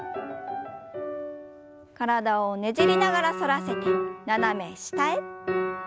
体をねじりながら反らせて斜め下へ。